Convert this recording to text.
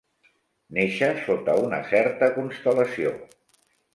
Néixer sota una certa constel·lació.